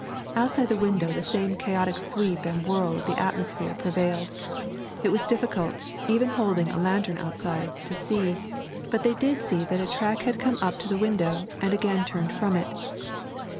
Outside the window the same chaotic sweep and whirl of the atmosphere prevailed. It was difficult, even holding a lantern outside, to see, but they did see that a track had come up to the window and again turned from it.